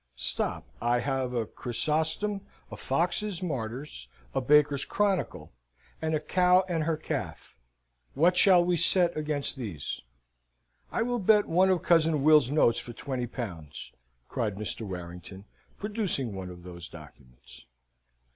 Stop! I have a Chrysostom, a Foxe's Martyrs, a Baker's Chronicle, and a cow and her calf. What shall we set against these?" "I will bet one of cousin Will's notes for twenty pounds," cried Mr. Warrington, producing one of those documents.